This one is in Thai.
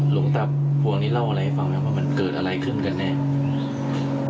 หลวงตาพวงนี้เล่าอะไรให้ฟังไหมว่ามันเกิดอะไรขึ้นกันแน่อืม